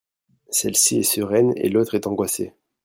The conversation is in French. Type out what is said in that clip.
Celle-ci est sereine et l'autre est angoissé.